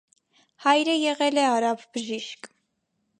Հայրը եղել է արաբ բժիշկ։